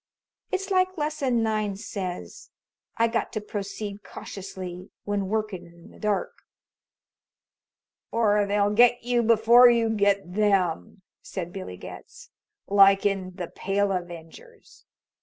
It's like Lesson Nine says I got to proceed cautiously when workin' in the dark." "Or they'll get you before you get them," said Billy Getz. "Like in 'The Pale Avengers.'